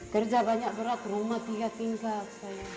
kerja banyak berat rumah tiga tingkat saya